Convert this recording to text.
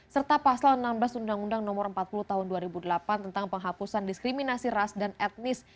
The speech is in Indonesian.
serta pasal enam belas undang undang no empat puluh tahun dua ribu delapan tentang penghapusan diskriminasi ras dan etnis